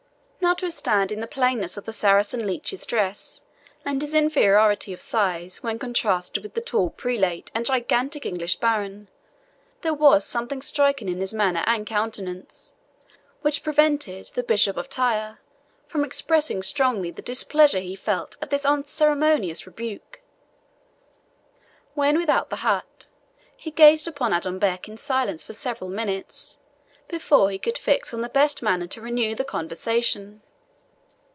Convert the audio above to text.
Notwithstanding the plainness of the Saracen leech's dress, and his inferiority of size when contrasted with the tall prelate and gigantic English baron, there was something striking in his manner and countenance, which prevented the Bishop of Tyre from expressing strongly the displeasure he felt at this unceremonious rebuke. When without the hut, he gazed upon Adonbec in silence for several minutes before he could fix on the best manner to renew the conversation.